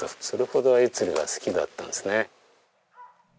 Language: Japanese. それほどアユ釣りが好きだったんですね。